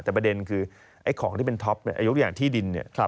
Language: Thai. แต่ประเด็นคือไอ้ของที่เป็นท็อปยกอย่างที่ดินเนี่ย